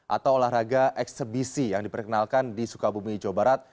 atau olahraga eksebisi yang diperkenalkan di sukabumi jawa barat